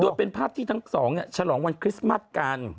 โดยเป็นภาพที่ทั้งสองฉลองวันคริสต์มัสกัน